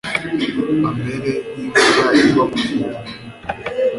amere nk’imvura igwa mu rwuri